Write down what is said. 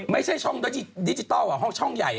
ไม่ใช่ช่องดิจิทัลห้องช่องใหญ่